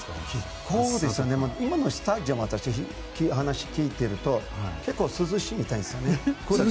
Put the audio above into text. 今のスタジアムは話を聞いていると結構、涼しいみたいですね。